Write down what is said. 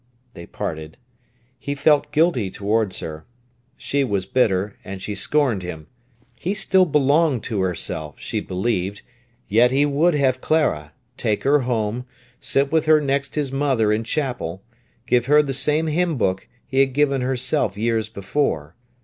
They parted. He felt guilty towards her. She was bitter, and she scorned him. He still belonged to herself, she believed; yet he could have Clara, take her home, sit with her next his mother in chapel, give her the same hymn book he had given herself years before.